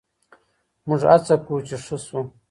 موږ هڅه کوو چې ښه شو.